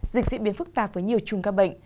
dịch diễn biến phức tạp với nhiều chùm ca bệnh